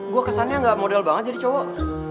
gue kesannya nggak model banget jadi cowok